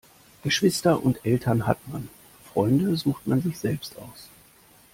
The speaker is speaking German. Geschwister und Eltern hat man, Freunde sucht man sich selbst aus.